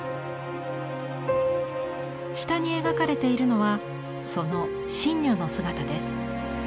下に描かれているのはその森女の姿です。